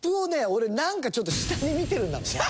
俺なんかちょっと下に見てるんだろうね。